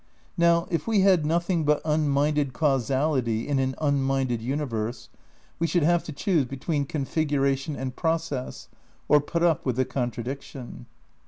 Now, if we had nothing but unminded causality in an unminded universe, we should have to choose be tween configuration and process, or put up with the contradiction.